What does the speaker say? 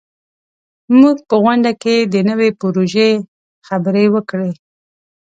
موږ په غونډه کې د نوي پروژې خبرې وکړې.